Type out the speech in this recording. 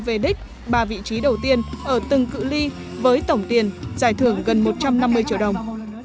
về đích ba vị trí đầu tiên ở từng cự li với tổng tiền giải thưởng gần một trăm năm mươi triệu đồng